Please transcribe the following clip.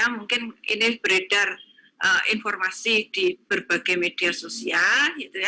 mungkin ini beredar informasi di berbagai media sosial